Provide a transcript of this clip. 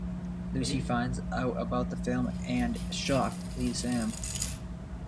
Lucy finds out about the film and, shocked, leaves Sam.